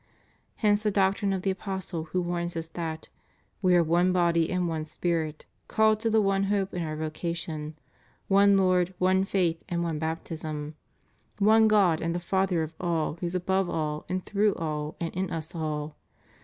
Hence the doctrine of the Apostle who warns us that : "We are one body and one spirit called to the one hope in our vocation; one Lord, one Faith and one Baptism; one God and the Father of all who is above all, and through all, and in us all."